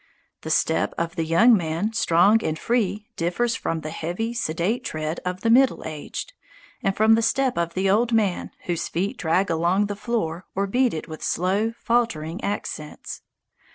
The step of the young man, strong and free, differs from the heavy, sedate tread of the middle aged, and from the step of the old man, whose feet drag along the floor, or beat it with slow, faltering accents.